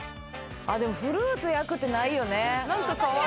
フルーツ焼くってないよね。